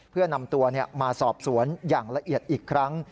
เพื่อนำตัวมาสอบสวนอย่างละเอียดอีกครั้ง